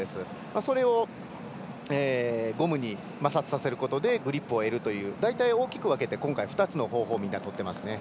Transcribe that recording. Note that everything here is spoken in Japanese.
それをゴムに摩擦させることでグリップを得るということで大体大きく分けて今回２つの方法をとっています。